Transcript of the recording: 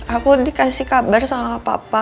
aku dikasih kabar sama papa